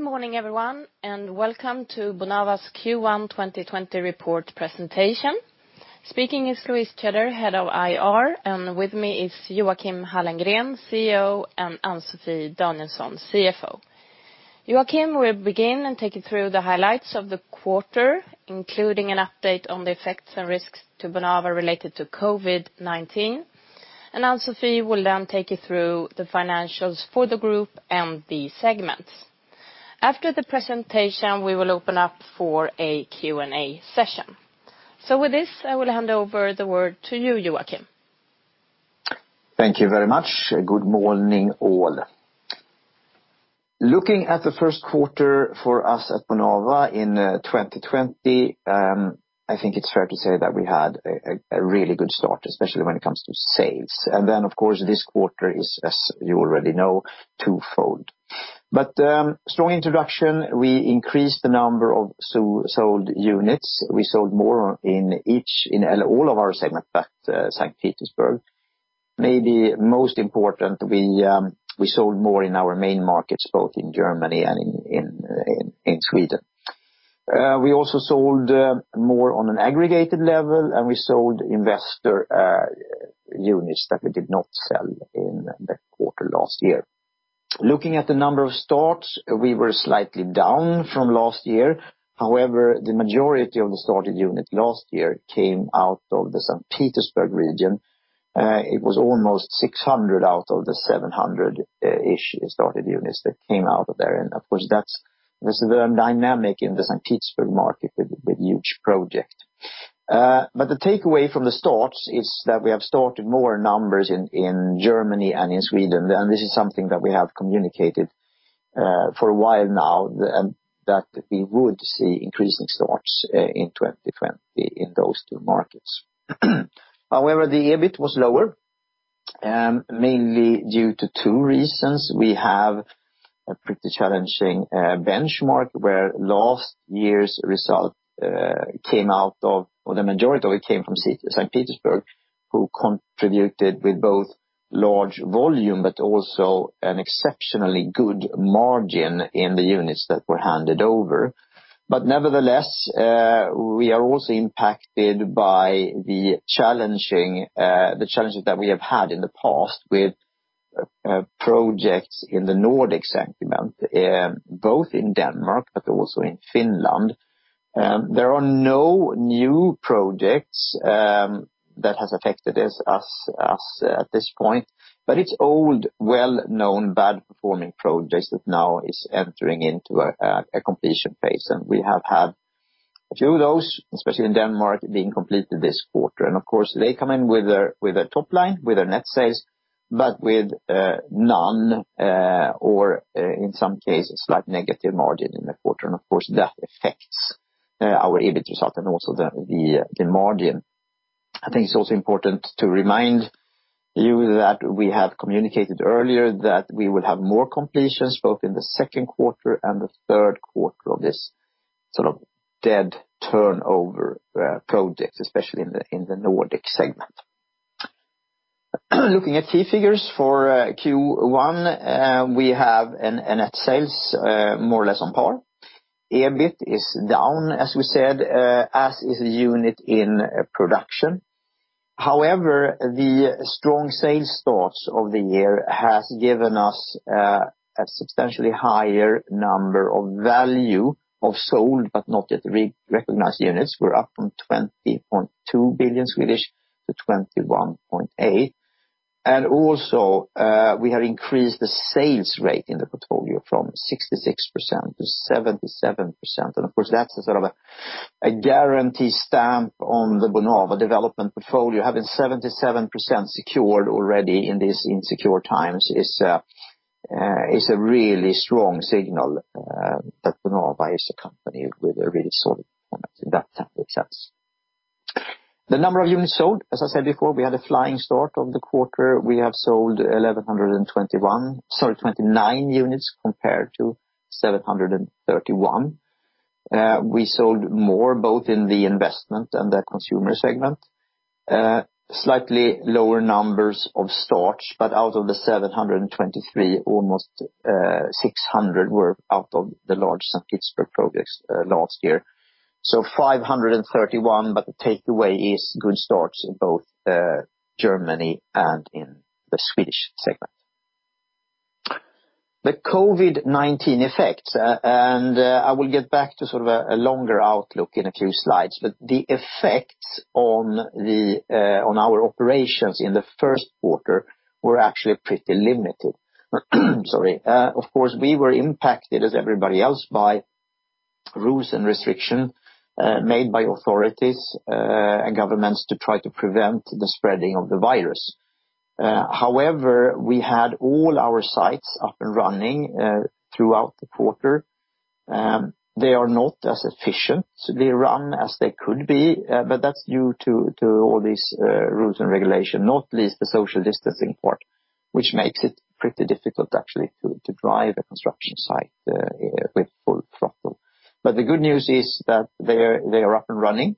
Good morning, everyone. Welcome to Bonava's Q1 2020 report presentation. Speaking is Louise Tjäder, Head of IR, and with me is Joachim Hallengren, CEO, and Ann-Sofi Danielsson, CFO. Joachim will begin and take you through the highlights of the quarter, including an update on the effects and risks to Bonava related to COVID-19. Ann-Sofi will then take you through the financials for the group and the segments. After the presentation, we will open up for a Q&A session. With this, I will hand over the word to you, Joachim. Thank you very much. Good morning, all. Looking at the first quarter for us at Bonava in 2020, I think it's fair to say that we had a really good start, especially when it comes to sales. Then, of course, this quarter is, as you already know, twofold. Strong introduction, we increased the number of sold units. We sold more in all of our segments, but Saint Petersburg. Maybe most important, we sold more in our main markets, both in Germany and in Sweden. We also sold more on an aggregated level, and we sold investor units that we did not sell in that quarter last year. Looking at the number of starts, we were slightly down from last year. However, the majority of the started units last year came out of the Saint Petersburg region. It was almost 600 out of the 700-ish started units that came out of there. Of course, this is a dynamic in the Saint Petersburg market with huge project. The takeaway from the starts is that we have started more numbers in Germany and in Sweden, and this is something that we have communicated for a while now, that we would see increasing starts in 2020 in those two markets. However, the EBIT was lower, mainly due to two reasons. The majority of it came from Saint Petersburg, who contributed with both large volume but also an exceptionally good margin in the units that were handed over. Nevertheless, we are also impacted by the challenges that we have had in the past with projects in the Nordic segment, both in Denmark but also in Finland. There are no new projects that has affected us at this point, but it's old, well-known, bad performing projects that now is entering into a completion phase. We have had a few of those, especially in Denmark, being completed this quarter. Of course, they come in with a top line, with a net sales, but with none or in some cases, slight negative margin in the quarter. Of course, that affects our EBIT result and also the margin. I think it's also important to remind you that we have communicated earlier that we will have more completions, both in the second quarter and the third quarter of this sort of dead turnover projects, especially in the Nordic segment. Looking at key figures for Q1, we have a net sales more or less on par. EBIT is down, as we said, as is unit in production. However, the strong sales starts of the year has given us a substantially higher number of value of sold, but not yet recognized units. We're up from 20.2 billion to 21.8 billion. Also, we have increased the sales rate in the portfolio from 66% to 77%. Of course, that's a sort of a guarantee stamp on the Bonava development portfolio. Having 77% secured already in these insecure times is a really strong signal that Bonava is a company with a really solid performance in that sense. The number of units sold, as I said before, we had a flying start of the quarter. We have sold 1,129 units compared to 731. We sold more both in the investment and the consumer segment. Slightly lower numbers of starts, but out of the 723, almost 600 were out of the large Saint Petersburg projects last year. 531, but the takeaway is good starts in both Germany and in the Swedish segment. The COVID-19 effects, I will get back to sort of a longer outlook in a few slides, but the effects on our operations in the first quarter were actually pretty limited. Sorry. Of course, we were impacted as everybody else by rules and restriction made by authorities and governments to try to prevent the spreading of the virus. However, we had all our sites up and running throughout the quarter. They are not as efficient. They run as they could be, but that's due to all these rules and regulation, not least the social distancing part, which makes it pretty difficult actually to drive a construction site with full. The good news is that they're up and running.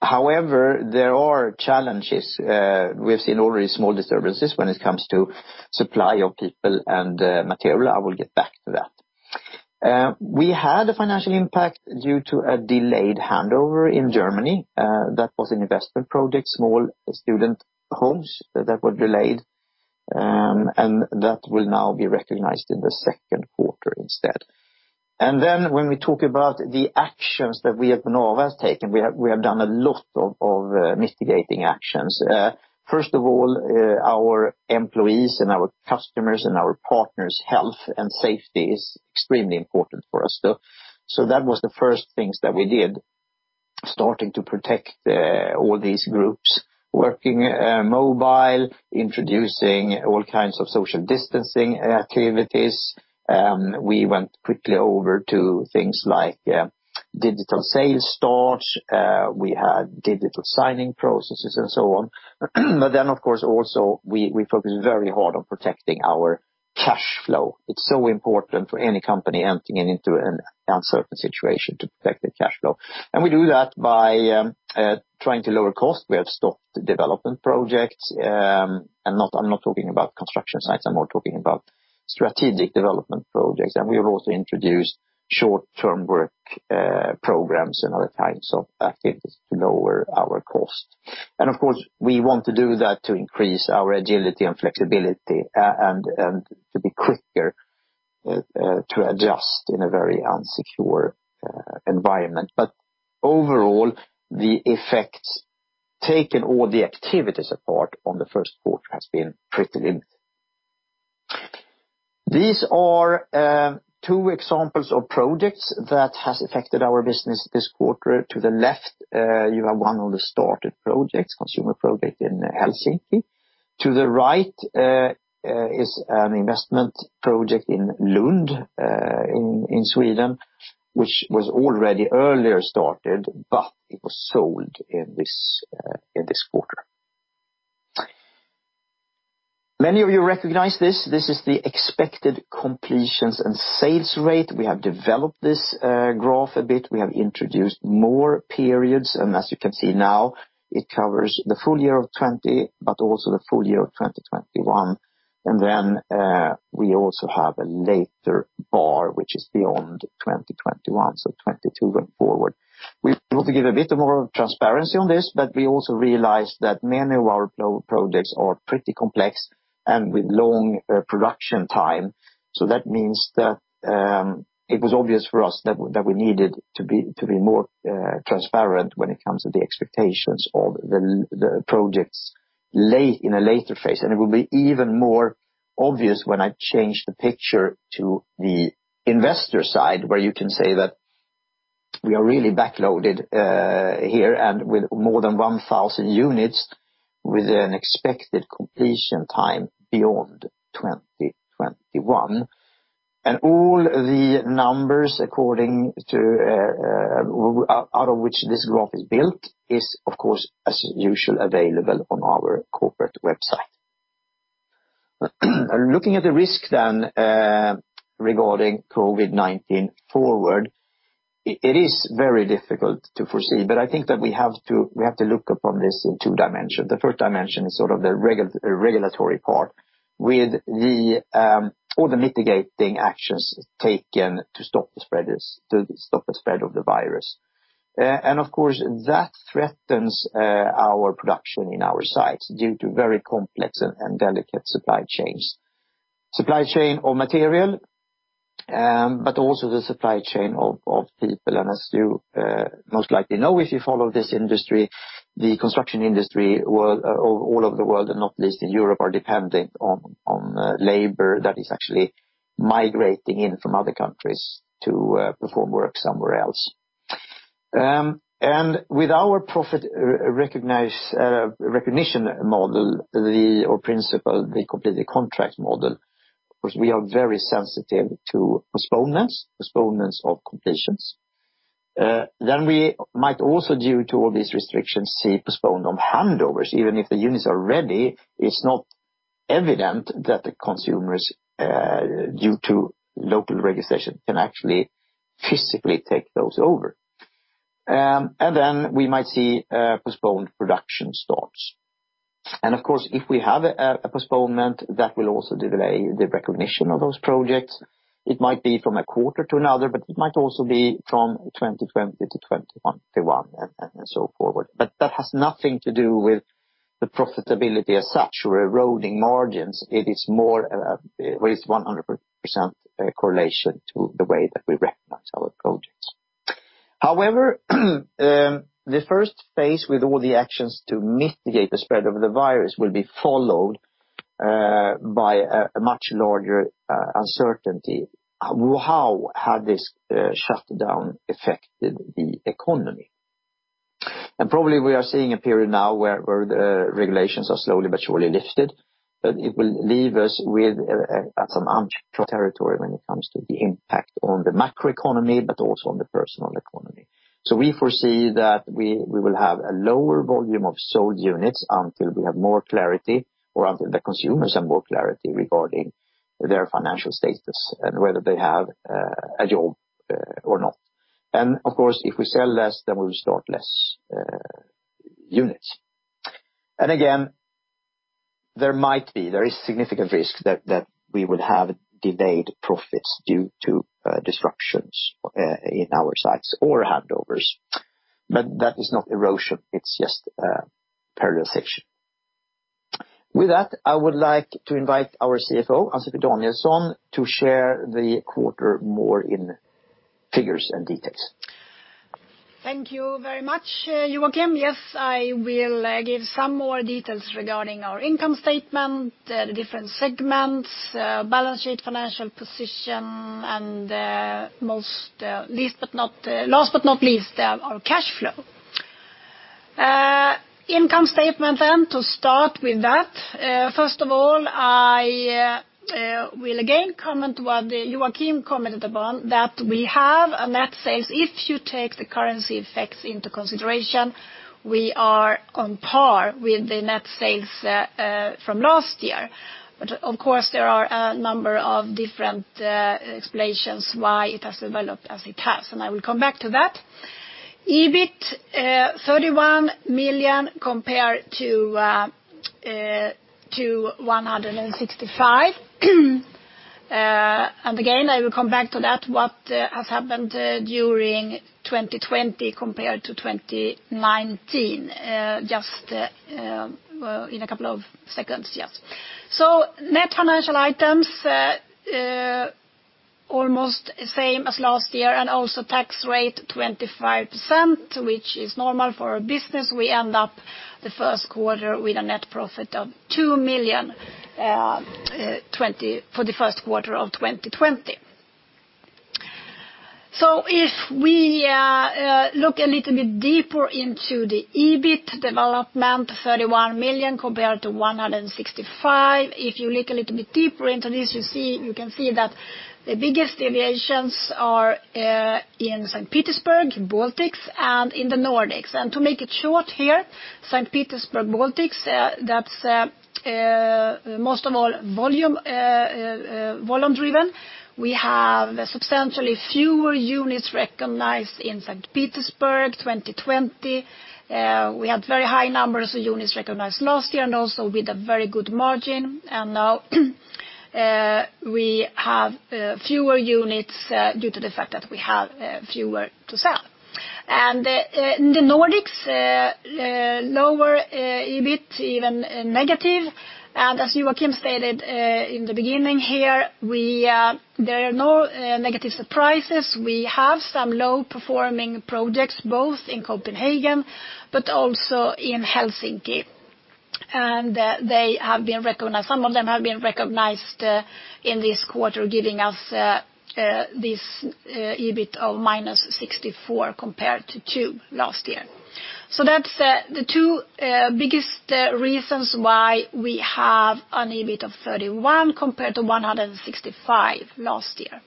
However, there are challenges. We have seen already small disturbances when it comes to supply of people and material. I will get back to that. We had a financial impact due to a delayed handover in Germany. That was an investment project, small student homes that were delayed, and that will now be recognized in the second quarter instead. When we talk about the actions that we at Bonava have taken, we have done a lot of mitigating actions. First of all, our employees and our customers and our partners' health and safety is extremely important for us. That was the first things that we did, starting to protect all these groups, working mobile, introducing all kinds of social distancing activities. We went quickly over to things like digital sales start. We had digital signing processes and so on. Of course, also we focus very hard on protecting our cash flow. It's so important for any company entering into an uncertain situation to protect the cash flow. We do that by trying to lower cost. We have stopped development projects. I'm not talking about construction sites, I'm more talking about strategic development projects. We have also introduced short-term work programs and other kinds of activities to lower our cost. Of course, we want to do that to increase our agility and flexibility, and to be quicker to adjust in a very unsecure environment. Overall, the effects, taking all the activities apart on the first quarter has been pretty limited. These are two examples of projects that has affected our business this quarter. To the left, you have one of the started projects, consumer project in Helsinki. To the right, is an investment project in Lund, in Sweden, which was already earlier started, but it was sold in this quarter. Many of you recognize this. This is the expected completions and sales rate. We have developed this graph a bit. We have introduced more periods. As you can see now, it covers the full year of 2020, but also the full year of 2021. We also have a later bar, which is beyond 2021, so 2022 going forward. We want to give a bit more transparency on this, but we also realized that many of our projects are pretty complex and with long production time. That means that it was obvious for us that we needed to be more transparent when it comes to the expectations of the projects in a later phase. It will be even more obvious when I change the picture to the investor side, where you can say that we are really back-loaded here and with more than 1,000 units with an expected completion time beyond 2021. All the numbers out of which this graph is built is, of course, as usual, available on our corporate website. Looking at the risk then, regarding COVID-19 forward, it is very difficult to foresee, but I think that we have to look upon this in two dimensions. The first dimension is sort of the regulatory part with all the mitigating actions taken to stop the spread of the virus. Of course, that threatens our production in our sites due to very complex and delicate supply chains. Supply chain of material, but also the supply chain of people. As you most likely know, if you follow this industry, the construction industry all over the world, and not least in Europe, are dependent on labor that is actually migrating in from other countries to perform work somewhere else. With our profit recognition model, or principle, the completed contract method, of course, we are very sensitive to postponements of completions. We might also, due to all these restrictions, see postponement of handovers. Even if the units are ready, it's not evident that the consumers, due to local registration, can actually physically take those over. We might see postponed production starts. Of course, if we have a postponement, that will also delay the recognition of those projects. It might be from a quarter to another, but it might also be from 2020 to 2021 and so forward. That has nothing to do with the profitability as such or eroding margins. It is 100% correlation to the way that we recognize our projects. However, the first phase with all the actions to mitigate the spread of the virus will be followed by a much larger uncertainty. How had this shutdown affected the economy? Probably we are seeing a period now where the regulations are slowly but surely lifted, but it will leave us with some uncharted territory when it comes to the impact on the macro economy, but also on the personal economy. We foresee that we will have a lower volume of sold units until we have more clarity, or until the consumers have more clarity regarding their financial status and whether they have a job or not. Of course, if we sell less, then we will start less units. Again, there is significant risk that we will have delayed profits due to disruptions in our sites or handovers. That is not erosion, it is just parallel section. With that, I would like to invite our CFO, Ann-Sofi Danielsson, to share the quarter more in figures and details. Thank you very much, Joachim. Yes, I will give some more details regarding our income statement, the different segments, balance sheet financial position, and last but not least, our cash flow. Income statement, to start with that. First of all, I will again comment what Joachim commented upon, that we have a net sales. If you take the currency effects into consideration, we are on par with the net sales from last year. Of course, there are a number of different explanations why it has developed as it has, and I will come back to that. EBIT, 31 million compared to 165 million. Again, I will come back to that, what has happened during 2020 compared to 2019, just in a couple of seconds. Net financial items, almost the same as last year. Also tax rate 25%, which is normal for a business. We end up the first quarter with a net profit of 2 million for the first Q1 2020. If we look a little bit deeper into the EBIT development, 31 million compared to 165 million. If you look a little bit deeper into this, you can see that the biggest deviations are in Saint Petersburg, Baltics, and in the Nordics. To make it short here, Saint Petersburg, Baltics, that is most of all volume-driven. We have substantially fewer units recognized in Saint Petersburg, 2020. We had very high numbers of units recognized last year, and also with a very good margin. Now we have fewer units due to the fact that we have fewer to sell. In the Nordics, lower EBIT, even negative. As Joachim stated in the beginning here, there are no negative surprises. We have some low-performing projects, both in Copenhagen but also in Helsinki. Some of them have been recognized in this quarter, giving us this EBIT of -64 million compared to 2 million last year. That is the two biggest reasons why we have an EBIT of 31 million compared to 165 million last year.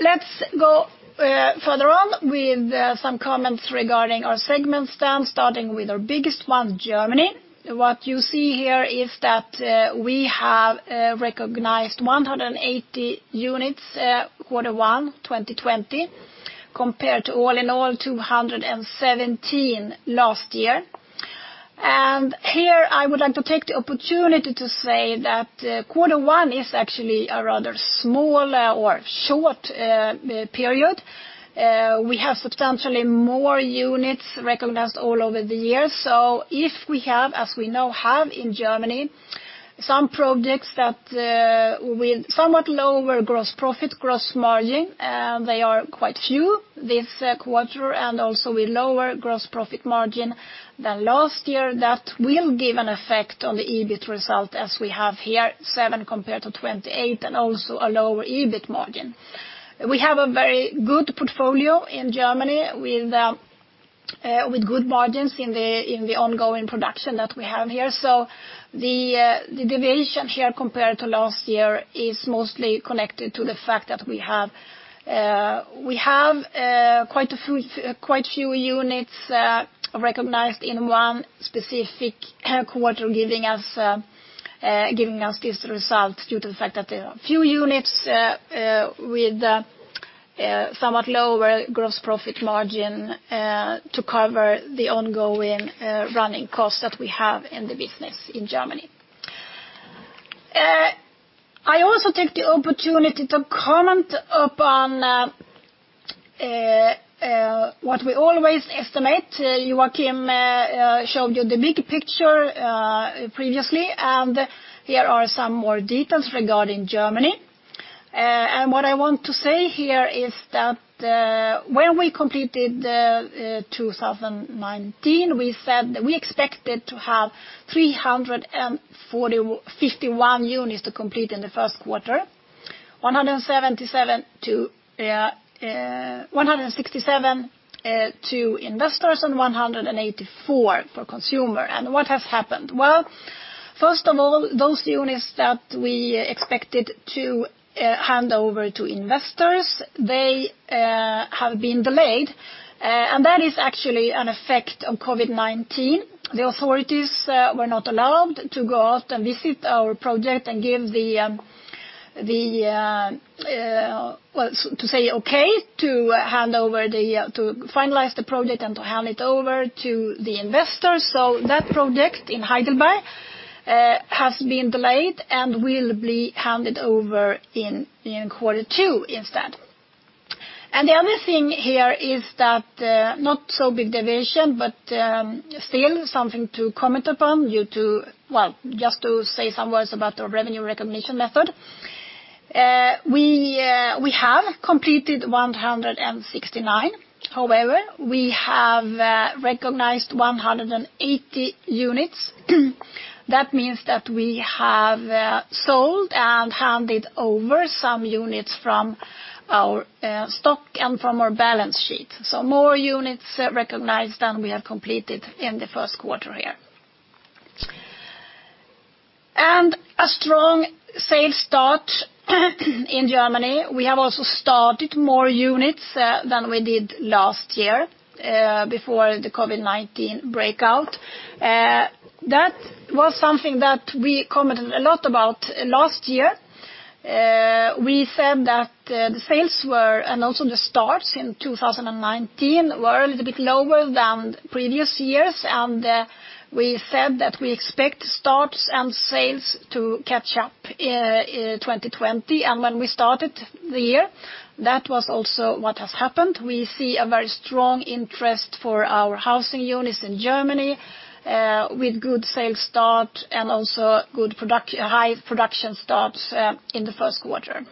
Let us go further on with some comments regarding our segment stand, starting with our biggest one, Germany. What you see here is that we have recognized 180 units Q1 2020, compared to all in all 217 last year. Here I would like to take the opportunity to say that Q1 is actually a rather small or short period. We have substantially more units recognized all over the year. If we have, as we now have in Germany, some projects with somewhat lower gross profit, gross margin, they are quite few this quarter. Also with lower gross profit margin than last year, that will give an effect on the EBIT result as we have here, 7 million compared to 28 million, and also a lower EBIT margin. We have a very good portfolio in Germany with good margins in the ongoing production that we have here. The deviation here compared to last year is mostly connected to the fact that we have quite a few units recognized in one specific quarter, giving us this result due to the fact that there are few units with somewhat lower gross profit margin to cover the ongoing running costs that we have in the business in Germany. I also take the opportunity to comment upon what we always estimate. Joachim showed you the big picture previously, and here are some more details regarding Germany. What I want to say here is that when we completed 2019, we said that we expected to have 351 units to complete in Q1, 167 to investors and 184 for consumer. What has happened? First of all, those units that we expected to hand over to investors, they have been delayed, and that is actually an effect of COVID-19. The authorities were not allowed to go out and visit our project and to say okay to finalize the project and to hand it over to the investors. That project in Heidelberg has been delayed and will be handed over in Q2 instead. The other thing here is that, not so big deviation, but still something to comment upon, just to say some words about our revenue recognition method. We have completed 169. However, we have recognized 180 units. That means that we have sold and handed over some units from our stock and from our balance sheet. More units recognized than we have completed in Q1 here. A strong sales start in Germany. We have also started more units than we did last year, before the COVID-19 breakout. That was something that we commented a lot about last year. We said that the sales were, and also the starts in 2019, were a little bit lower than previous years, and we said that we expect starts and sales to catch up in 2020. When we started the year, that was also what has happened. We see a very strong interest for our housing units in Germany, with good sales start and also high production starts in Q1.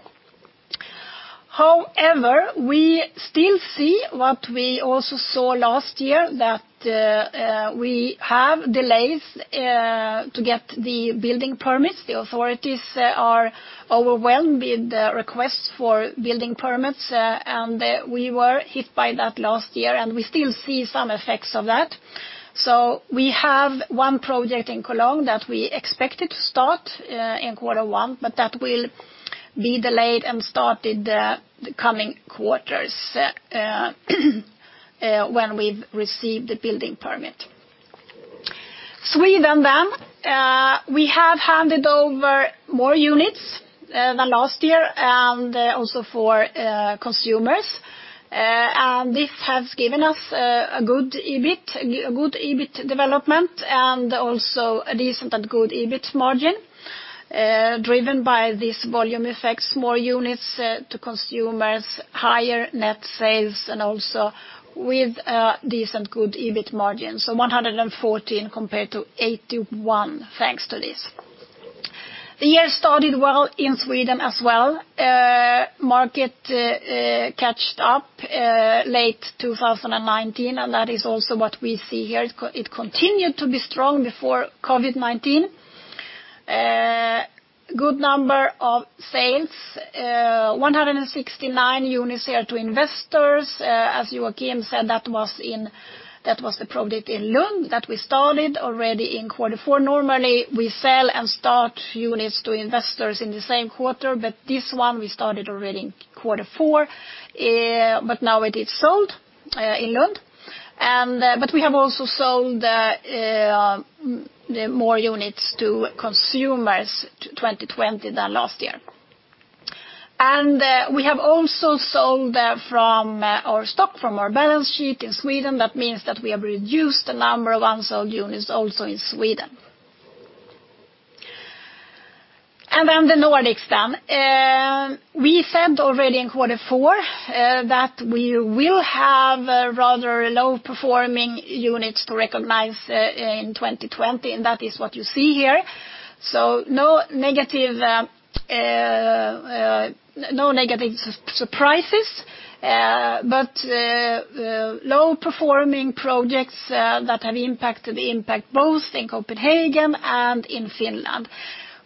However, we still see what we also saw last year, that we have delays to get the building permits. The authorities are overwhelmed with requests for building permits, and we were hit by that last year, and we still see some effects of that. We have one project in Cologne that we expected to start in Q1, but that will be delayed and start in the coming quarters, when we've received the building permit. Sweden. We have handed over more units than last year, and also for consumers. This has given us a good EBIT development and also a decent and good EBIT margin, driven by these volume effects, more units to consumers, higher net sales, and also with a decent, good EBIT margin. 114 million compared to 81 million, thanks to this. The year started well in Sweden as well. Market caught up late 2019, and that is also what we see here. It continued to be strong before COVID-19. Good number of sales. 169 units here to investors. As Joachim said, that was the project in Lund that we started already in Q4. Normally, we sell and start units to investors in the same quarter, but this one we started already in Q4, but now it is sold in Lund. We have also sold more units to consumers 2020 than last year. We have also sold from our stock, from our balance sheet in Sweden. That means that we have reduced the number of unsold units also in Sweden. The Nordics, then. We said already in Q4 that we will have rather low-performing units to recognize in 2020, and that is what you see here. No negative surprises, but low-performing projects that have impacted both in Copenhagen and in Finland.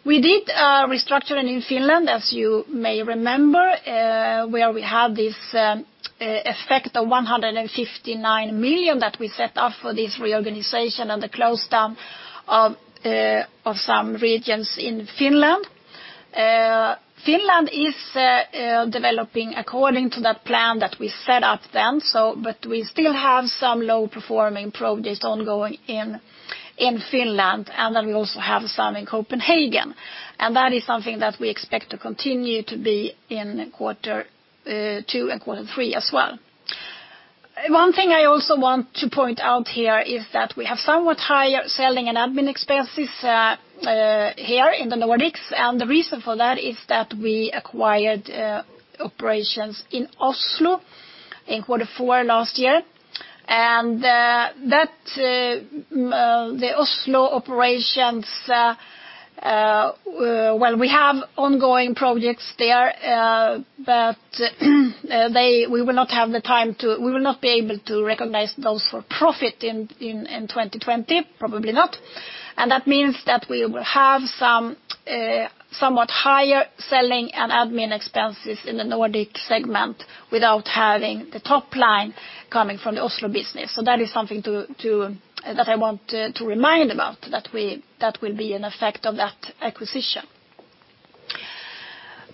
We did a restructuring in Finland, as you may remember, where we had this effect of 159 million that we set up for this reorganization and the close down of some regions in Finland. Finland is developing according to that plan that we set up then, but we still have some low-performing projects ongoing in Finland, and then we also have some in Copenhagen. That is something that we expect to continue to be in Q2 and Q3 as well. One thing I also want to point out here is that we have somewhat higher selling and admin expenses here in the Nordics, and the reason for that is that we acquired operations in Oslo in Q4 last year. The Oslo operations, well, we have ongoing projects there, but we will not be able to recognize those for profit in 2020, probably not. That means that we will have somewhat higher selling and admin expenses in the Nordic segment without having the top line coming from the Oslo business. That is something that I want to remind about, that will be an effect of that acquisition.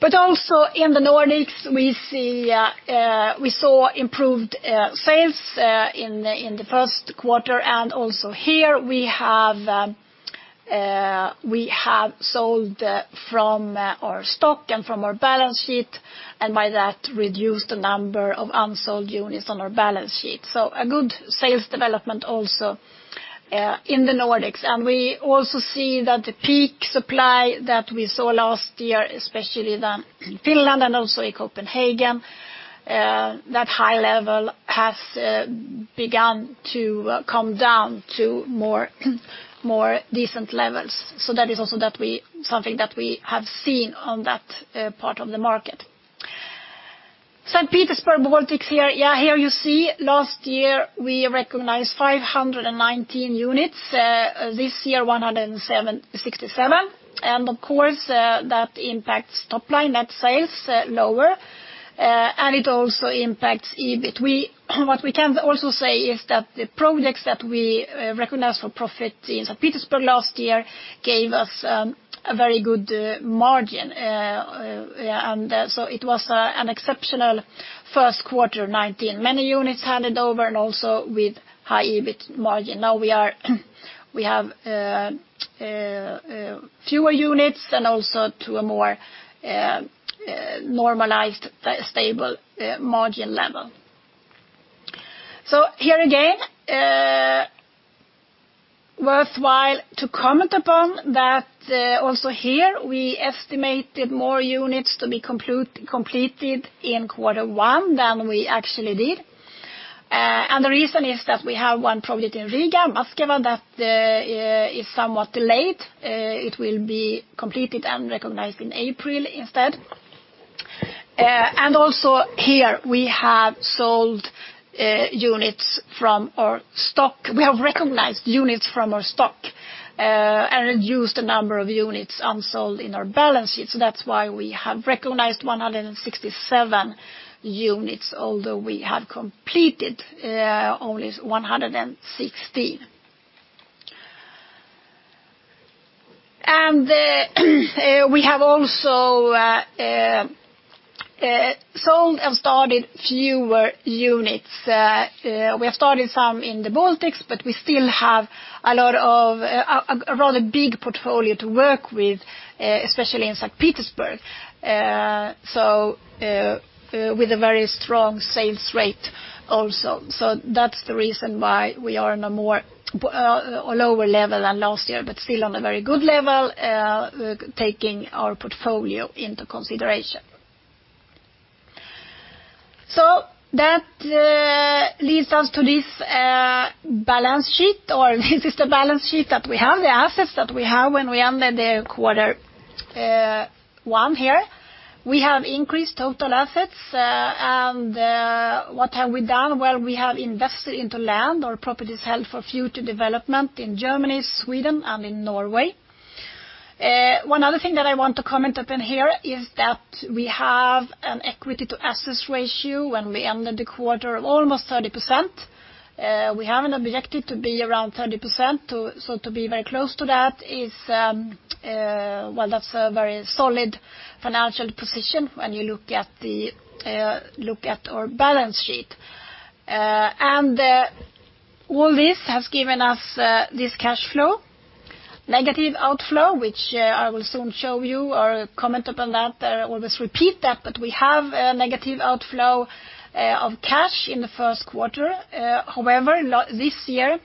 Also in the Nordics, we saw improved sales in the first quarter, and also here we have sold from our stock and from our balance sheet, and by that reduced the number of unsold units on our balance sheet. A good sales development also in the Nordics. We also see that the peak supply that we saw last year, especially in Finland and also in Copenhagen, that high level has begun to come down to more decent levels. That is also something that we have seen on that part of the market. St. Petersburg, Baltics here. Here you see last year we recognized 519 units. This year, 167. Of course, that impacts top line net sales lower, and it also impacts EBIT. What we can also say is that the projects that we recognized for profit in St. Petersburg last year gave us a very good margin. It was an exceptional Q1 2019. Many units handed over, and also with high EBIT margin. Now we have fewer units and also to a more normalized, stable margin level. Here again, worthwhile to comment upon that also here we estimated more units to be completed in quarter one than we actually did. The reason is that we have one project in Riga, Maskavas, that is somewhat delayed. It will be completed and recognized in April instead. Also here, we have sold units from our stock. We have recognized units from our stock and reduced the number of units unsold in our balance sheet. That's why we have recognized 167 units, although we have completed only 116. We have also sold and started fewer units. We have started some in the Baltics, but we still have a rather big portfolio to work with, especially in St. Petersburg, so with a very strong sales rate also. That's the reason why we are in a lower level than last year, but still on a very good level, taking our portfolio into consideration. That leads us to this balance sheet, or this is the balance sheet that we have, the assets that we have when we ended the quarter one here. We have increased total assets. What have we done? Well, we have invested into land or properties held for future development in Germany, Sweden, and in Norway. One other thing that I want to comment upon here is that we have an equity-to-asset ratio when we ended the quarter of almost 30%. We have an objective to be around 30%, to be very close to that well, that's a very solid financial position when you look at our balance sheet. All this has given us this cash flow, negative outflow, which I will soon show you or comment upon that. I will just repeat that, but we have a negative outflow of cash in the first quarter. However, this year,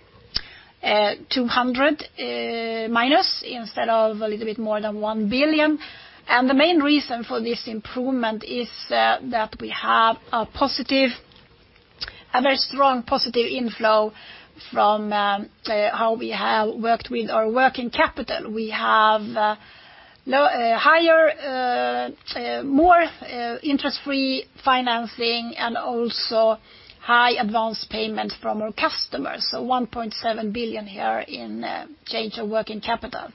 200 minus instead of a little bit more than 1 billion. The main reason for this improvement is that we have a very strong positive inflow from how we have worked with our working capital. We have more interest-free financing and also high advanced payments from our customers. 1.7 billion here in change of working capital.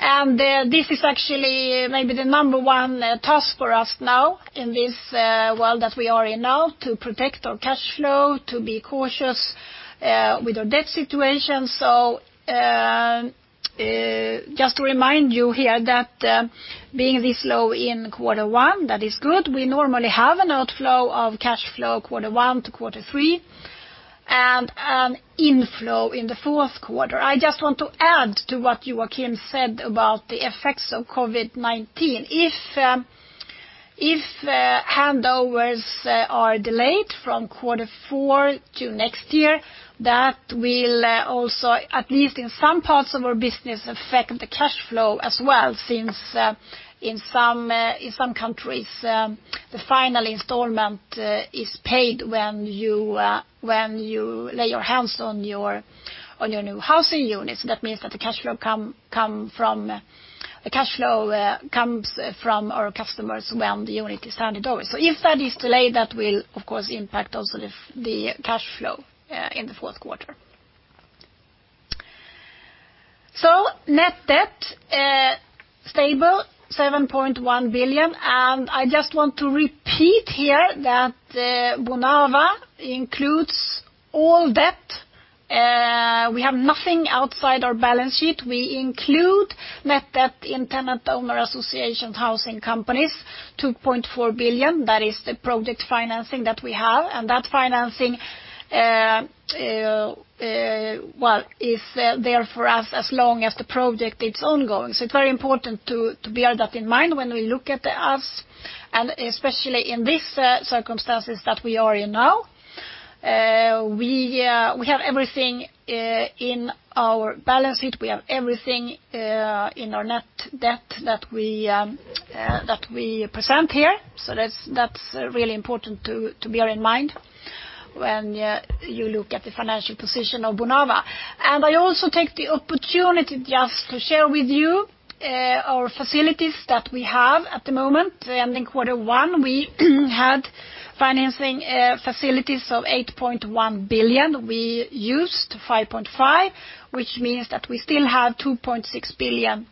This is actually maybe the number one task for us now in this world that we are in now, to protect our cash flow, to be cautious with our debt situation. Just to remind you here that being this low in quarter one, that is good. We normally have an outflow of cash flow quarter one to quarter three, and an inflow in the fourth quarter. I just want to add to what Joachim said about the effects of COVID-19. If handovers are delayed from quarter four to next year, that will also, at least in some parts of our business, affect the cash flow as well, since in some countries, the final installment is paid when you lay your hands on your new housing units. That means that the cash flow comes from our customers when the unit is handed over. If that is delayed, that will of course impact also the cash flow in the fourth quarter. Net debt, stable 7.1 billion. I just want to repeat here that Bonava includes all debt. We have nothing outside our balance sheet. We include net debt in tenant-owner association housing companies, 2.4 billion. That is the project financing that we have. That financing is there for us as long as the project is ongoing. It's very important to bear that in mind when we look at us, and especially in this circumstances that we are in now. We have everything in our balance sheet. We have everything in our net debt that we present here. That's really important to bear in mind when you look at the financial position of Bonava. I also take the opportunity just to share with you our facilities that we have at the moment. In Q1, we had financing facilities of 8.1 billion. We used 5.5 billion, which means that we still have 2.6 billion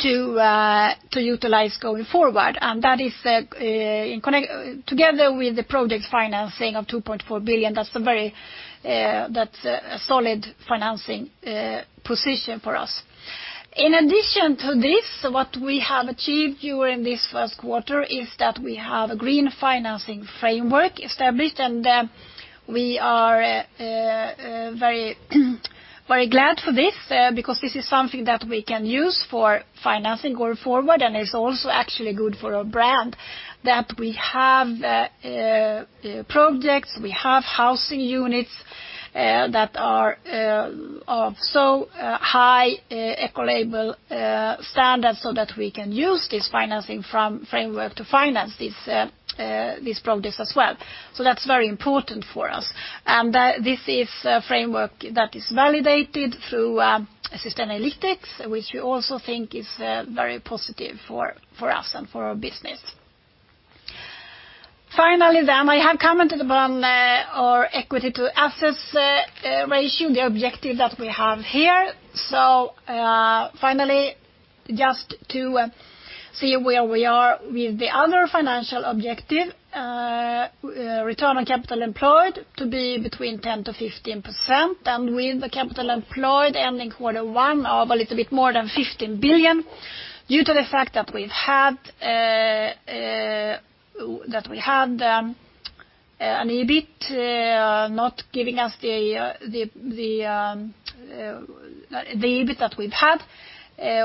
to utilize going forward. That is together with the project financing of 2.4 billion, that's a solid financing position for us. In addition to this, what we have achieved during this first quarter is that we have a Green Financing Framework established, and we are very glad for this because this is something that we can use for financing going forward. It's also actually good for our brand that we have projects, we have housing units that are of so high eco-label standards so that we can use this financing framework to finance these projects as well. That's very important for us. This is a framework that is validated through Sustainalytics, which we also think is very positive for us and for our business. Finally, I have commented upon our equity-to-asset ratio, the objective that we have here. Finally, just to see where we are with the other financial objective, Return on Capital Employed to be between 10%-15%. With the capital employed ending Q1 of a little bit more than 15 billion due to the fact that we had an EBIT not giving us the EBIT that we've had.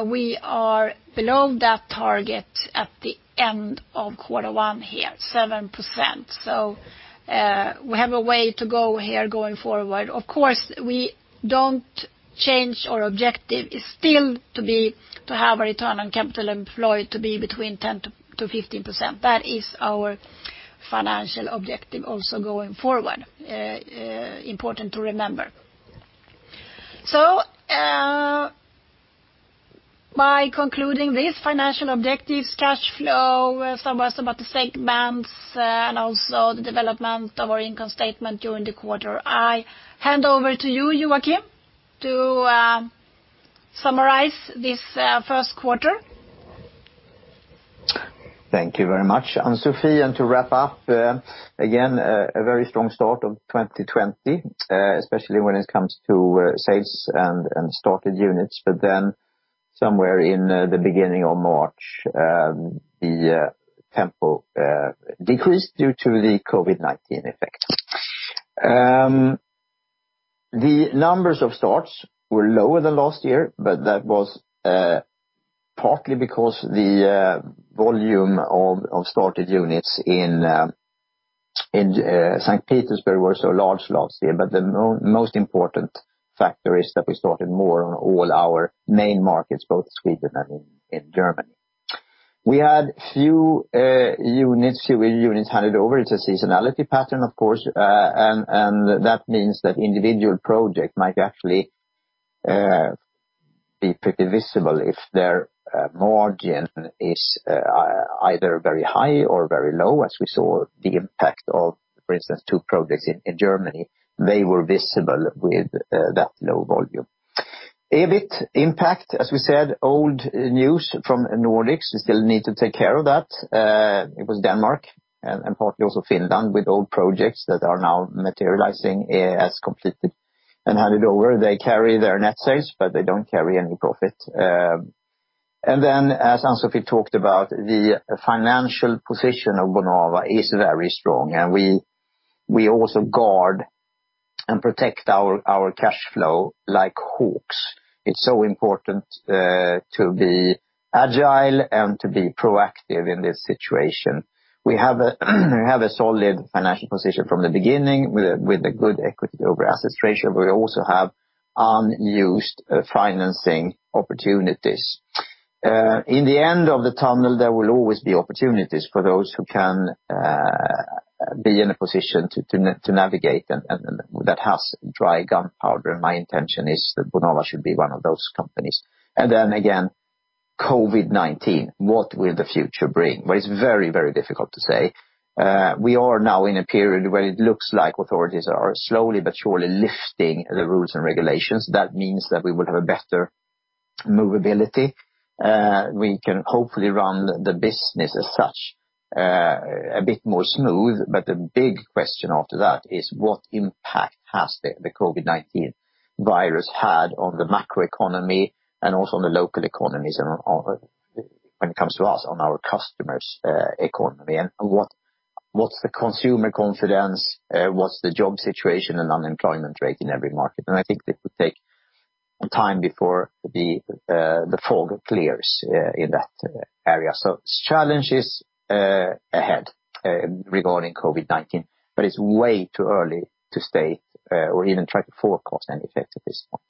We are below that target at the end of Q1 here, 7%. We have a way to go here going forward. Of course, we don't change our objective. It's still to have a Return on Capital Employed to be between 10%-15%. That is our financial objective also going forward. Important to remember. By concluding these financial objectives, cash flow, some words about the segments, and also the development of our income statement during the quarter. I hand over to you, Joachim, to summarize this first quarter. Thank you very much, Ann-Sofi. To wrap up, again, a very strong start of 2020, especially when it comes to sales and started units. Somewhere in the beginning of March, the tempo decreased due to the COVID-19 effect. The numbers of starts were lower than last year, but that was partly because the volume of started units in St. Petersburg were so large last year. The most important factor is that we started more on all our main markets, both Sweden and in Germany. We had few units handed over. It's a seasonality pattern, of course. That means that individual project might actually be pretty visible if their margin is either very high or very low. As we saw the impact of, for instance, two projects in Germany. They were visible with that low volume. EBIT impact, as we said, old news from Nordics still need to take care of that. It was Denmark and partly also Finland with old projects that are now materializing as completed and handed over. They carry their net sales, but they don't carry any profit. As Ann-Sofi talked about, the financial position of Bonava is very strong, and we also guard and protect our cash flow like hawks. It's so important to be agile and to be proactive in this situation. We have a solid financial position from the beginning with a good equity-to-asset ratio, but we also have unused financing opportunities. In the end of the tunnel, there will always be opportunities for those who can be in a position to navigate and that has dry gunpowder, and my intention is that Bonava should be one of those companies. COVID-19. What will the future bring? It's very difficult to say. We are now in a period where it looks like authorities are slowly but surely lifting the rules and regulations. That means that we will have a better Movability. We can hopefully run the business as such a bit more smooth. The big question after that is what impact has the COVID-19 virus had on the macro economy and also on the local economies and when it comes to us, on our customers' economy? What's the consumer confidence? What's the job situation and unemployment rate in every market? I think it will take some time before the fog clears in that area. Challenges ahead regarding COVID-19, but it's way too early to state or even try to forecast any effects at this point.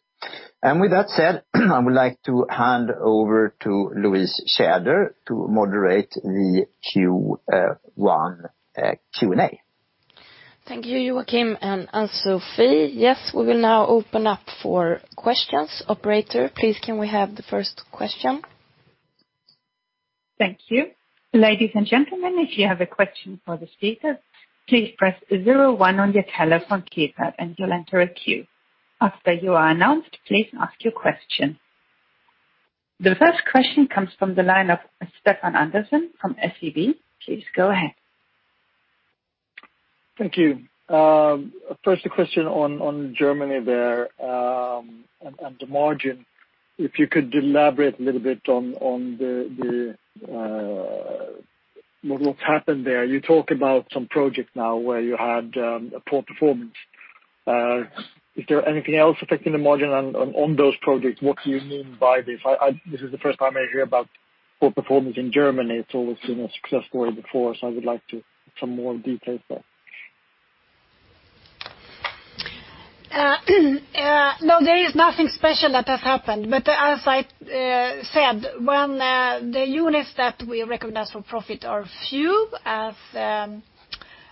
With that said, I would like to hand over to Louise Tjäder to moderate the Q1 Q&A. Thank you, Joachim and Ann-Sofi. We will now open up for questions. Operator, please, can we have the first question? Thank you. Ladies and gentlemen, if you have a question for the speakers, please press 01 on your telephone keypad, and you'll enter a queue. After you are announced, please ask your question. The first question comes from the line of Stefan Andersson from SEB. Please go ahead. Thank you. First, a question on Germany there, the margin. If you could elaborate a little bit on what happened there. You talk about some projects now where you had a poor performance. Is there anything else affecting the margin on those projects? What do you mean by this? This is the first time I hear about poor performance in Germany. It's always been a success story before. I would like some more details there. No, there is nothing special that has happened. As I said, when the units that we recognize for profit are few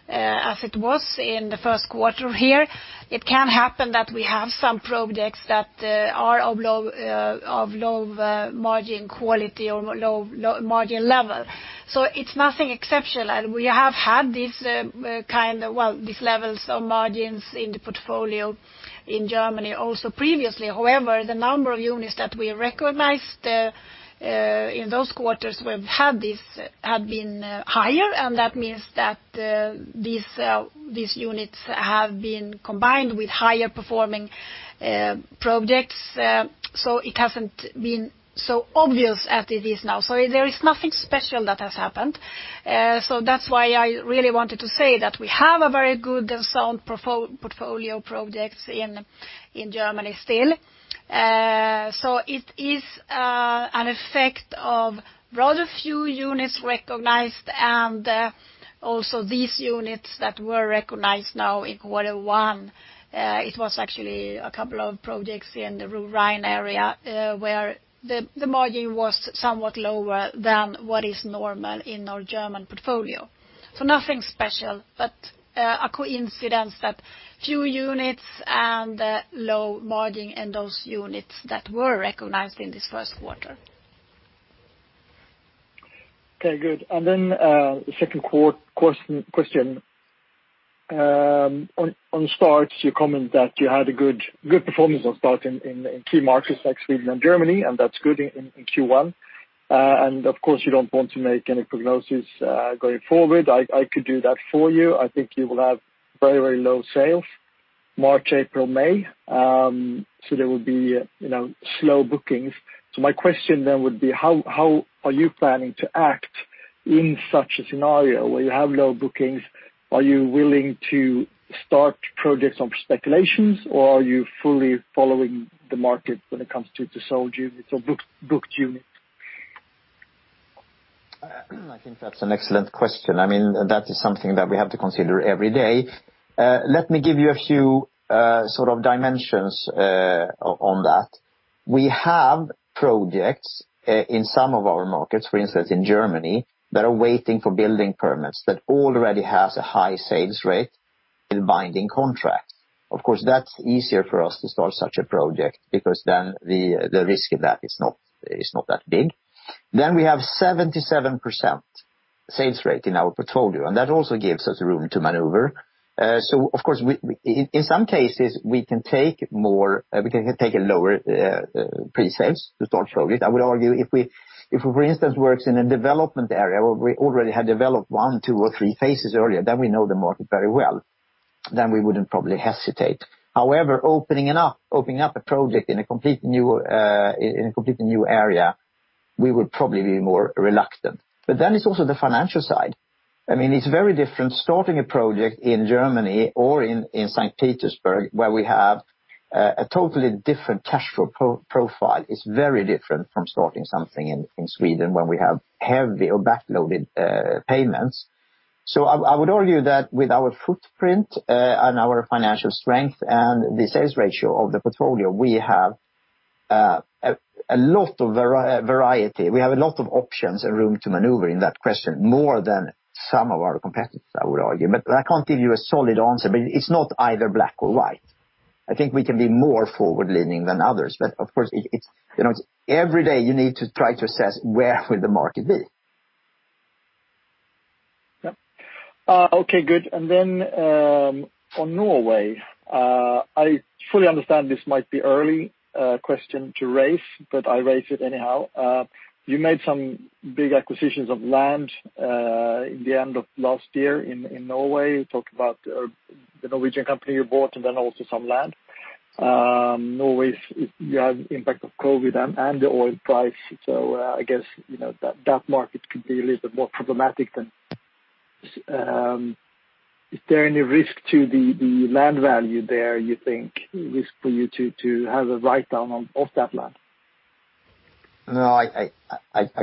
as it was in the first quarter here, it can happen that we have some projects that are of low margin quality or low margin level. It's nothing exceptional. We have had these levels of margins in the portfolio in Germany also previously. However, the number of units that we recognized in those quarters had been higher, and that means that these units have been combined with higher-performing projects. It hasn't been so obvious as it is now. There is nothing special that has happened. That's why I really wanted to say that we have a very good and sound portfolio of projects in Germany still. It is an effect of rather few units recognized, and also these units that were recognized now in quarter one. It was actually a couple of projects in the Rhine-Ruhr area where the margin was somewhat lower than what is normal in our German portfolio. Nothing special, but a coincidence that few units and low margin in those units that were recognized in this first quarter. Okay, good. The second question. On starts, you comment that you had a good performance on start in key markets like Sweden and Germany, and that's good in Q1. Of course, you don't want to make any prognosis going forward. I could do that for you. I think you will have very low sales March, April, May. There will be slow bookings. My question then would be, how are you planning to act in such a scenario where you have low bookings? Are you willing to start projects on speculations, or are you fully following the market when it comes to sold units or booked units? I think that's an excellent question. That is something that we have to consider every day. Let me give you a few dimensions on that. We have projects in some of our markets, for instance, in Germany, that are waiting for building permits that already has a high sales rate in binding contracts. Of course, that's easier for us to start such a project because then the risk of that is not that big. We have 77% sales rate in our portfolio, and that also gives us room to maneuver. Of course, in some cases, we can take a lower pre-sales to start projects. I would argue if we, for instance, works in a development area where we already had developed one, two, or three phases earlier, then we know the market very well. We wouldn't probably hesitate. However, opening up a project in a completely new area, we would probably be more reluctant. It's also the financial side. It's very different starting a project in Germany or in St. Petersburg, where we have a totally different cash flow profile. It's very different from starting something in Sweden where we have heavy or back-loaded payments. I would argue that with our footprint and our financial strength and the sales ratio of the portfolio, we have a lot of variety. We have a lot of options and room to maneuver in that question, more than some of our competitors, I would argue. I can't give you a solid answer, but it's not either black or white. I think we can be more forward-leaning than others. Of course, every day you need to try to assess where will the market be. Yeah. Okay, good. On Norway, I fully understand this might be early question to raise, but I raise it anyhow. You made some big acquisitions of land in the end of last year in Norway. You talked about the Norwegian company you bought and then also some land. Norway's impact of COVID and the oil price. I guess, that market could be a little bit more problematic than Is there any risk to the land value there, you think? Risk for you to have a write-down of that land? No, I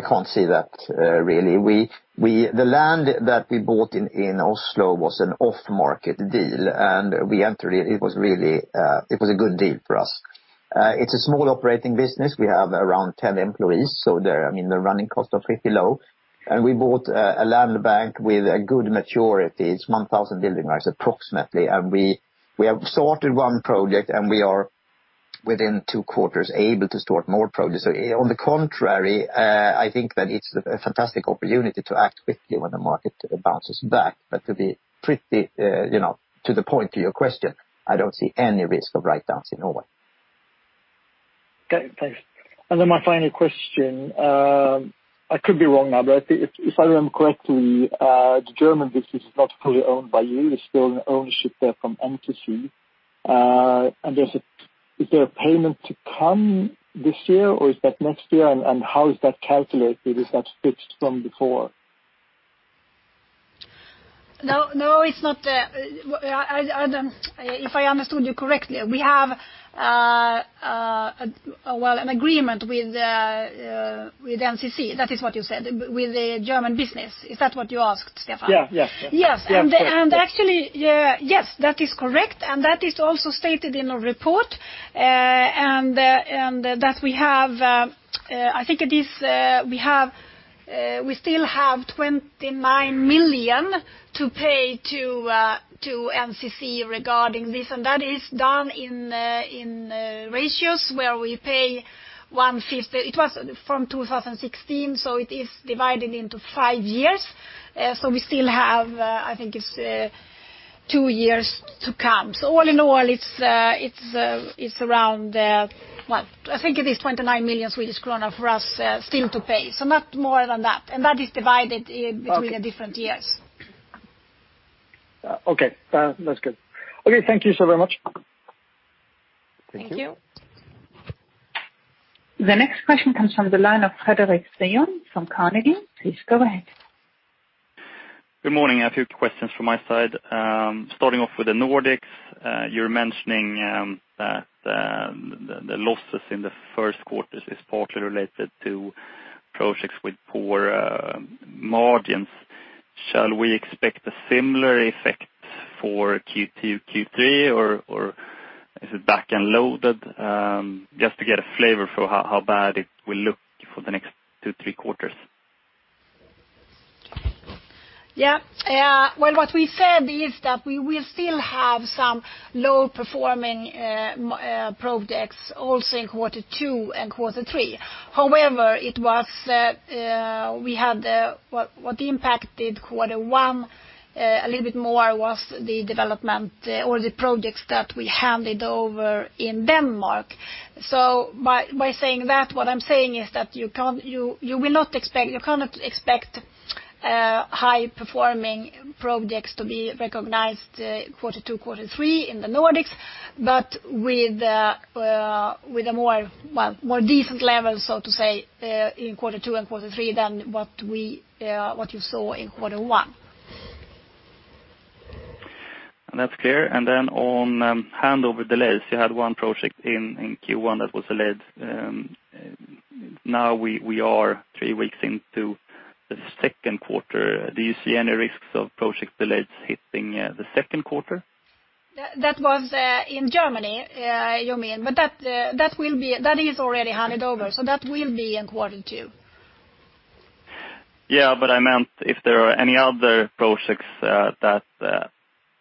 can't see that really. The land that we bought in Oslo was an off-market deal, and we entered it. It was a good deal for us. It's a small operating business. We have around 10 employees, so the running costs are pretty low. We bought a land bank with a good maturity. It's 1,000 building rights approximately. We have sorted one project, and we are within two quarters able to sort more projects. On the contrary, I think that it's a fantastic opportunity to act quickly when the market bounces back. To the point to your question, I don't see any risk of write-downs in Norway. Okay, thanks. My final question. I could be wrong now, if I remember correctly, the German business is not fully owned by you. There's still an ownership there from NCC. Is there a payment to come this year or is that next year? How is that calculated? Is that fixed from before? No, it's not. If I understood you correctly, we have an agreement with NCC. That is what you said, with the German business. Is that what you asked, Stefan? Yeah. Yes. Actually, yes, that is correct. That is also stated in our report, I think I still have 29 million to pay to NCC regarding this. That is done in ratios where we pay one-fifth. It was from 2016, so it is divided into five years. We still have, I think it's two years to come. All in all, it's around, I think it is 29 million Swedish kronor for us still to pay. Not more than that. That is divided between the different years. Okay. That's good. Okay, thank you so very much. Thank you. Thank you. The next question comes from the line of Fredric Cyon from Carnegie. Please go ahead. Good morning. A few questions from my side. Starting off with the Nordics. You're mentioning that the losses in the first quarter is partly related to projects with poor margins. Shall we expect a similar effect for Q2, Q3, or is it back-end loaded? Just to get a flavor for how bad it will look for the next two, three quarters. Yeah. Well, what we said is that we will still have some low-performing projects also in quarter two and quarter three. However, what impacted quarter one a little bit more was the development or the projects that we handed over in Denmark. So by saying that, what I'm saying is that you cannot expect high-performing projects to be recognized quarter two, quarter three in the Nordics, but with a more decent level, so to say, in quarter two and quarter three than what you saw in quarter one. That's clear. Then on handover delays, you had one project in Q1 that was delayed. Now we are three weeks into the second quarter. Do you see any risks of project delays hitting the second quarter? That was in Germany, you mean. That is already handed over, that will be in quarter two. I meant if there are any other projects that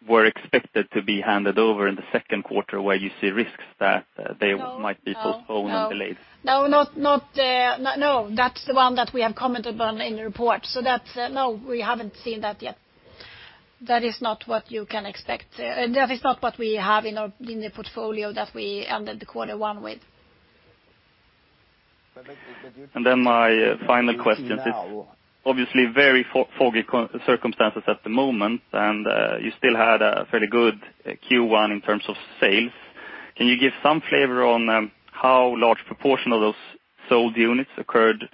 were expected to be handed over in the second quarter where you see risks that they might be postponed and delayed. No, that's the one that we have commented on in the report. No, we haven't seen that yet. That is not what you can expect. That is not what we have in the portfolio that we ended the quarter one with. My final question. Obviously very foggy circumstances at the moment, you still had a fairly good Q1 in terms of sales. Can you give some flavor on how large proportion of those sold units occurred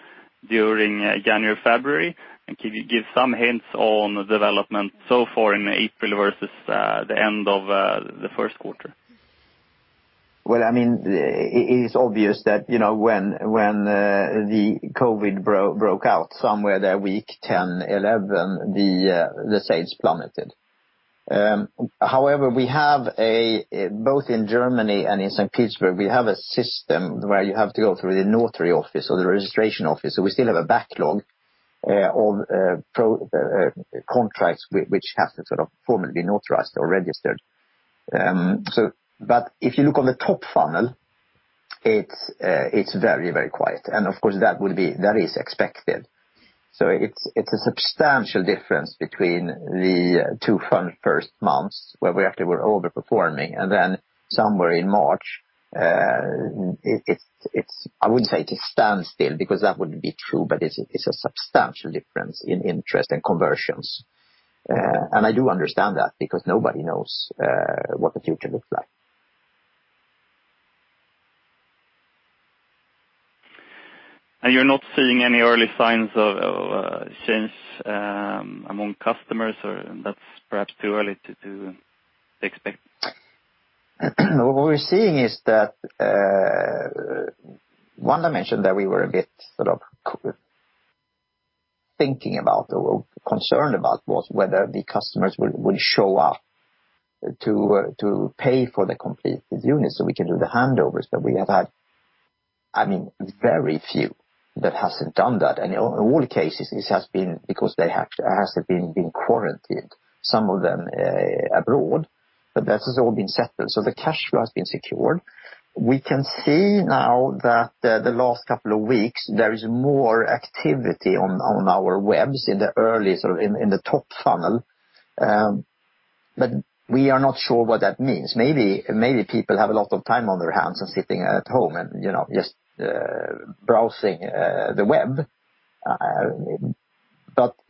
during January, February? Can you give some hints on the development so far in April versus the end of the first quarter? Well, it is obvious that when the COVID broke out somewhere there week 10, 11, the sales plummeted. However, both in Germany and in St. Petersburg, we have a system where you have to go through the notary office or the registration office. If you look on the top funnel It's very quiet. Of course, that is expected. It's a substantial difference between the two first months where we actually were over-performing, then somewhere in March, I wouldn't say it standstill because that wouldn't be true, but it's a substantial difference in interest and conversions. I do understand that because nobody knows what the future looks like. You're not seeing any early signs of change among customers, or that's perhaps too early to expect? What we're seeing is that one dimension that we were a bit thinking about or concerned about was whether the customers will show up to pay for the completed units so we can do the handovers. We have had very few that hasn't done that. In all cases, it has been because they have been quarantined, some of them abroad, but that has all been settled. The cash flow has been secured. We can see now that the last couple of weeks, there is more activity on our webs in the early sort of in the top funnel. We are not sure what that means. Maybe people have a lot of time on their hands and sitting at home and just browsing the web.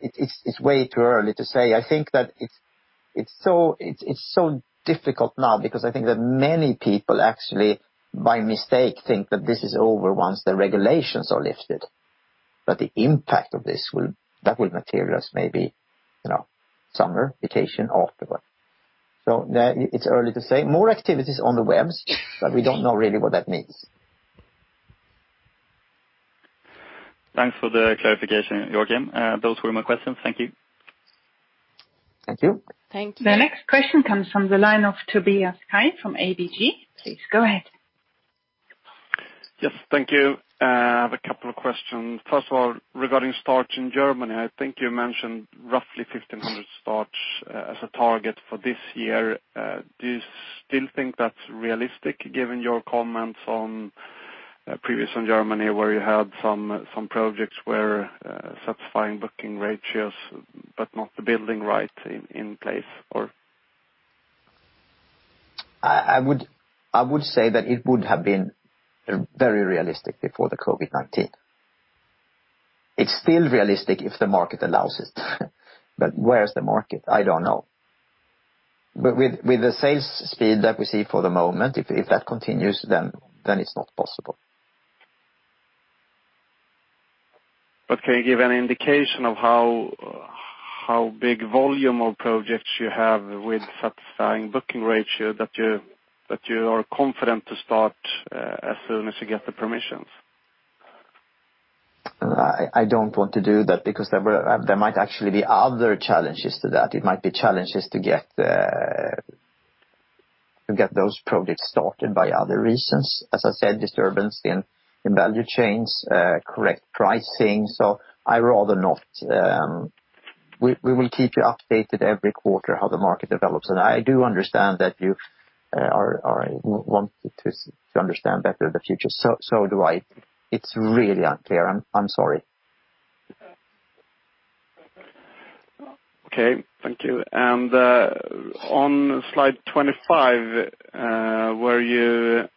It's way too early to say. I think that it's so difficult now because I think that many people actually by mistake, think that this is over once the regulations are lifted. The impact of this, that will materialize maybe summer, vacation, afterward. It's early to say. More activities on the webs, but we don't know really what that means. Thanks for the clarification, Joachim. Those were my questions. Thank you. Thank you. Thank you. The next question comes from the line of Tobias Kaj from ABG. Please go ahead. Yes. Thank you. I have a couple of questions. First of all, regarding starts in Germany, I think you mentioned roughly 1,500 starts as a target for this year. Do you still think that's realistic given your comments previously on Germany, where you had some projects where satisfying booking ratios, but not the building permits in place or? I would say that it would have been very realistic before the COVID-19. It's still realistic if the market allows it. Where's the market? I don't know. With the sales speed that we see for the moment, if that continues, then it's not possible. Can you give any indication of how big volume of projects you have with satisfying booking ratio that you are confident to start as soon as you get the permissions? I don't want to do that because there might actually be other challenges to that. It might be challenges to get those projects started by other reasons. As I said, disturbance in value chains, correct pricing. I rather not. We will keep you updated every quarter how the market develops. I do understand that you are wanting to understand better the future. Do I. It's really unclear. I'm sorry. Okay. Thank you. On slide 25, where you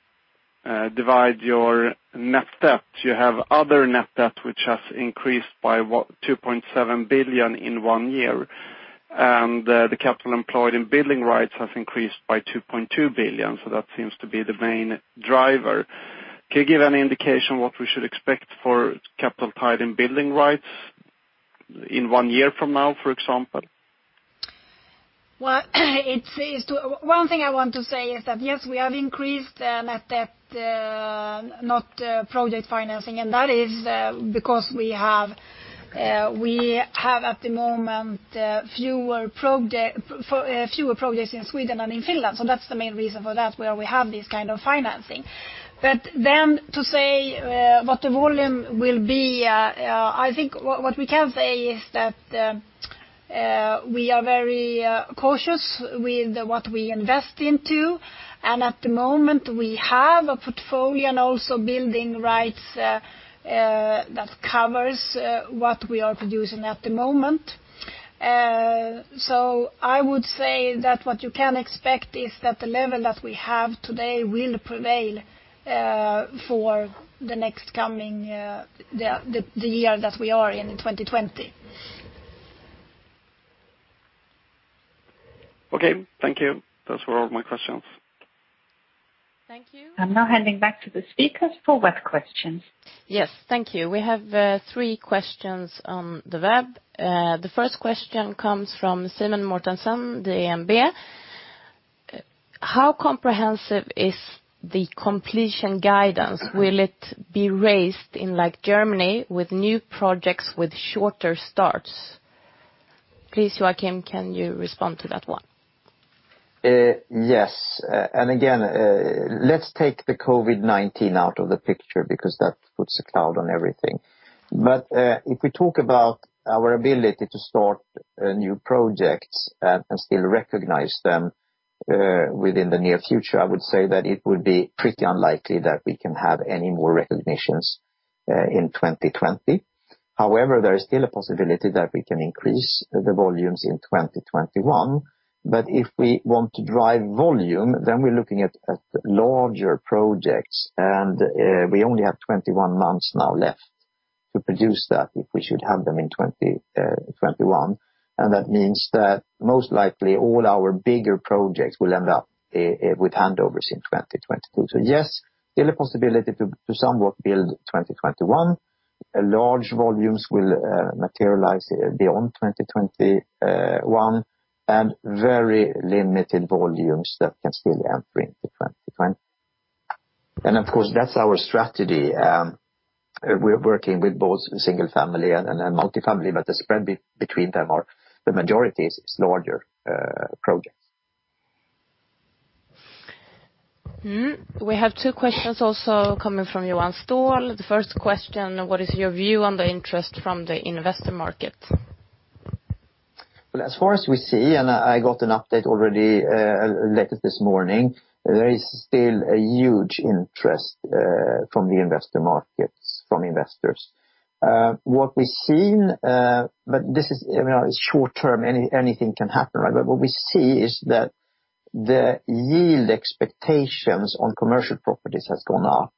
divide your net debt, you have other net debt, which has increased by what? 2.7 billion in one year. The capital employed in building rights has increased by 2.2 billion. That seems to be the main driver. Can you give any indication what we should expect for capital tied in building rights in one year from now, for example? One thing I want to say is that, yes, we have increased the net debt, not project financing. That is because we have at the moment, fewer projects in Sweden than in Finland. That's the main reason for that, where we have this kind of financing. To say what the volume will be, I think what we can say is that we are very cautious with what we invest into, and at the moment we have a portfolio and also building rights that covers what we are producing at the moment. I would say that what you can expect is that the level that we have today will prevail for the next coming, the year that we are in 2020. Okay. Thank you. Those were all my questions. Thank you. I'm now handing back to the speakers for web questions. Yes. Thank you. We have three questions on the web. The first question comes from Simen Mortensen, DNB. How comprehensive is the completion guidance? Will it be raised in like Germany with new projects with shorter starts? Please, Joachim, can you respond to that one? Yes. Again, let's take the COVID-19 out of the picture because that puts a cloud on everything. If we talk about our ability to start new projects and still recognize them within the near future, I would say that it would be pretty unlikely that we can have any more recognitions in 2020. However, there is still a possibility that we can increase the volumes in 2021. If we want to drive volume, then we're looking at larger projects, and we only have 21 months now left to produce that if we should have them in 2021. That means that most likely all our bigger projects will end up with handovers in 2022. Yes, still a possibility to somewhat build 2021. Large volumes will materialize beyond 2021, and very limited volumes that can still enter into 2020. Of course, that's our strategy. We're working with both single family and multifamily, but the spread between them are the majority is larger projects. We have two questions also coming from Johan Ståhl. The first question, what is your view on the interest from the investor market? Well, as far as we see, I got an update already later this morning, there is still a huge interest from the investor markets from investors. What we've seen, but this is short-term anything can happen, right? What we see is that the yield expectations on commercial properties has gone up.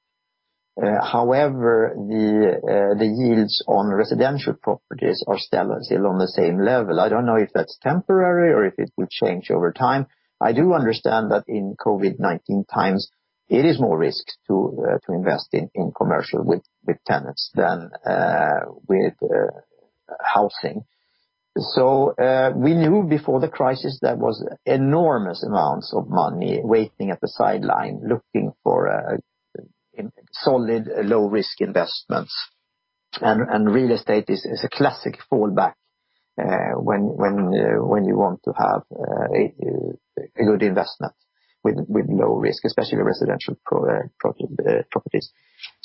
However, the yields on residential properties are still on the same level. I don't know if that's temporary or if it will change over time. I do understand that in COVID-19 times, it is more risk to invest in commercial with tenants than with housing. We knew before the crisis there was enormous amounts of money waiting at the sideline looking for solid low-risk investments. Real estate is a classic fallback when you want to have a good investment with low risk, especially residential properties.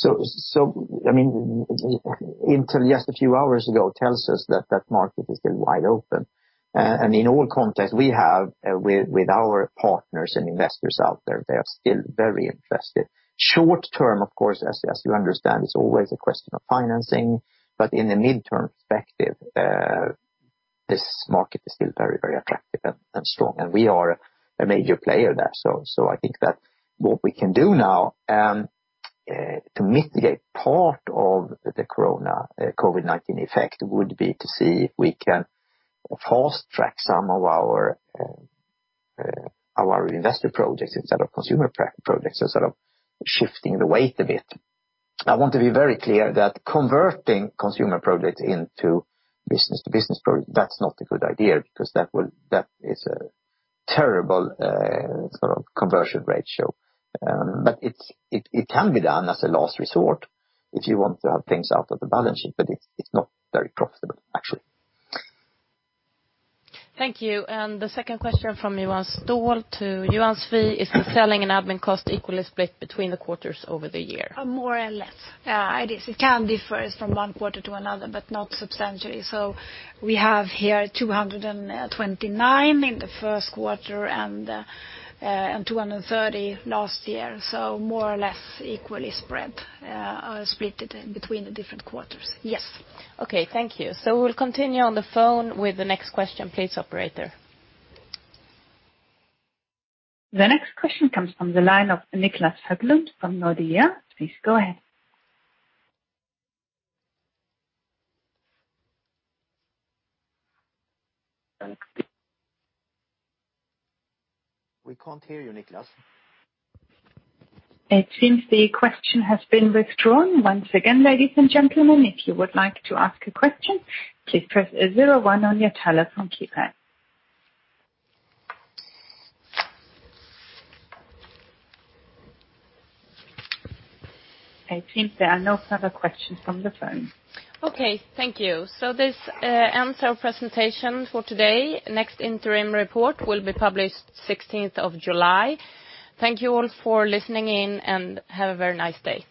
Until just a few hours ago tells us that that market is still wide open. In all contacts we have with our partners and investors out there, they are still very invested. Short-term, of course, as you understand, it's always a question of financing. In the mid-term perspective, this market is still very, very attractive and strong. We are a major player there. I think that what we can do now to mitigate part of the COVID-19 effect would be to see if we can fast-track some of our investor projects instead of consumer projects, so sort of shifting the weight a bit. I want to be very clear that converting consumer projects into business-to-business projects, that's not a good idea because that is a terrible sort of conversion ratio. It can be done as a last resort if you want to have things out of the balance sheet, but it's not very profitable, actually. Thank you. The second question from Johan Ståhl to Johan Svi, is the selling and admin cost equally split between the quarters over the year? More or less. It can differ from one quarter to another, but not substantially. We have here 229 in the first quarter and 230 last year. More or less equally spread, split in between the different quarters. Yes. Okay. Thank you. We'll continue on the phone with the next question. Please, operator. The next question comes from the line of x Please go ahead. We can't hear you, Niclas. It seems the question has been withdrawn. Once again, ladies and gentlemen, if you would like to ask a question, please press 01 on your telephone keypad. It seems there are no further questions from the phone. Okay, thank you. This ends our presentation for today. Next interim report will be published 16th of July. Thank you all for listening in, and have a very nice day.